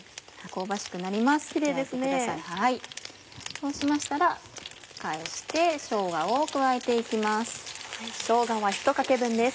そうしましたら返してしょうがを加えて行きます。